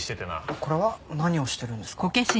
これは？何をしているんですか？